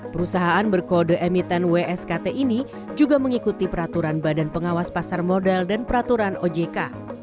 perusahaan berkode emiten wskt ini juga mengikuti peraturan badan pengawas pasar modal dan peraturan ojk